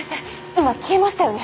今消えましたよね？